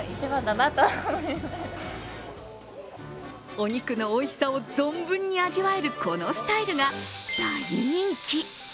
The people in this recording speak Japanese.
お肉のおいしさを存分に味わえるこのスタイルが大人気。